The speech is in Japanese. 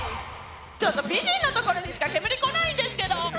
ちょっと美人のところにしか煙こないんですけど！